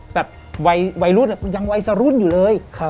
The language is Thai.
แบบวัยรุ่นยังวัยสรุ่นอยู่เลย